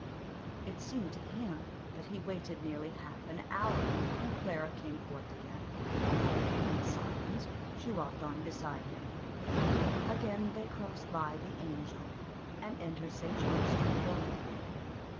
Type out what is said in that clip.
It seemed to him that he had waited nearly half an hour when Clara came forth again. In silence she walked on beside him. Again they crossed by the 'Angel' and entered St. John Street Road.